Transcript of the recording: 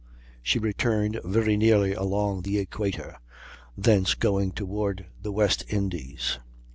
She returned very nearly along the Equator, thence going toward the West Indies.